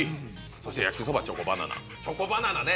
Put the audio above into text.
そして焼きそばチョコバナナチョコバナナね！